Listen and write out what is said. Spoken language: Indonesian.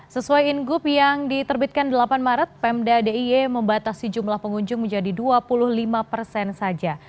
sesuai ingup yang diterbitkan delapan maret pemda d i e membatasi jumlah pengunjung menjadi dua puluh lima persen saja